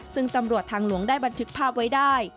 ซึ่งตำรวจทางหลวงได้บันทึกภาพไว้ได้